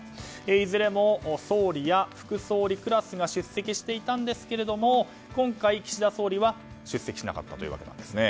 いずれも総理や副総理クラスが出席していたんですが今回、岸田総理は出席しなかったというわけなんですね。